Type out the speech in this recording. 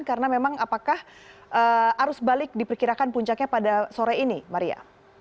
karena memang apakah arus balik diperkirakan puncaknya pada sore ini maria